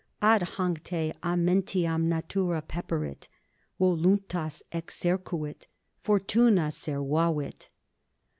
Ad hanc te amentiam natura peperit, voluntas exercuit, fortuna servavit.